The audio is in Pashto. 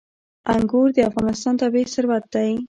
انګور د افغانستان طبعي ثروت دی.